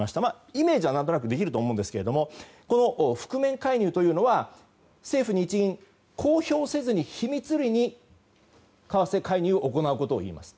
イメージは何となくできると思いますが覆面介入というのは政府・日銀が公表せずに秘密裏に為替介入を行うことをいいます。